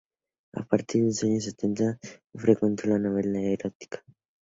A partir de los años setenta, frecuentó la novela erótica.